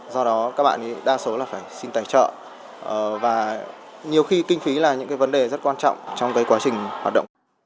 do đó các bạn đa số là phải xin tài trợ và nhiều khi kinh phí là những cái vấn đề rất quan trọng trong quá trình hoạt động